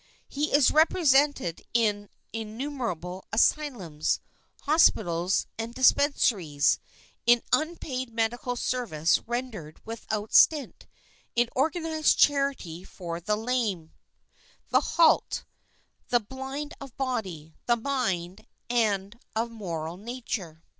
He is represented in in numerable asylums, hospitals and dispensaries, in unpaid medical service rendered without stint, in organised charity for the lame, the halt, the blind of body, of mind, and of moral nature.